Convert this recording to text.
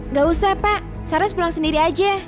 nggak usah pak sarres pulang sendiri aja